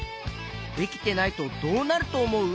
できてないとどうなるとおもう？